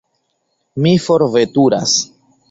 Mi forveturas.